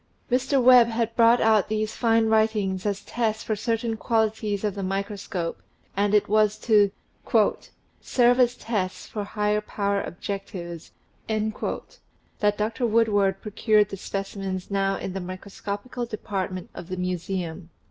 Mr. Webb had brought out these fine writings as tests for certain qualities of the microscope, and it was to "serve as tests for high power objectives" that Dr. Woodward procured the specimens now in the micro scopical department of the Museum.